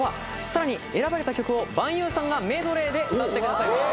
さらに選ばれた曲をヴァンゆんさんがメドレーで歌ってくださいます。